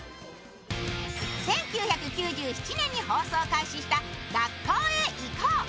１９９７年に放送を開始した「学校へ行こう！」。